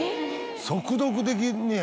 速読できんねや。